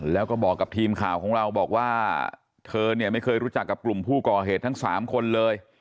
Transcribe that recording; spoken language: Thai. แล้วก็บอกกับทีมข่าวของเราบอกว่าเธอเนี่ยไม่เคยรู้จักกับกลุ่มผู้ก่อเหตุทั้ง๓คนเลย